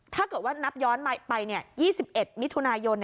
ถ้าเกิดว่านับย้อนไป๒๑มิถุนายน